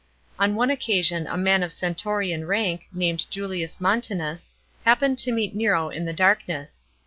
On one occasion a man of senatorian rank, named Julius Montanus, happened to meet Nero in the darkness.